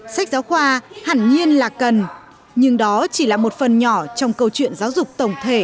sách giáo khoa hẳn nhiên là cần nhưng đó chỉ là một phần nhỏ trong câu chuyện giáo dục tổng thể